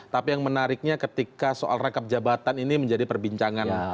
tapi yang menariknya ketika soal rangkap jabatan ini menjadi perbincangan